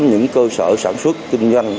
những cơ sở sản xuất kinh doanh